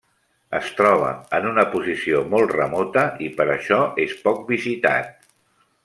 Es troba en una posició molt remota i per això és poc visitat.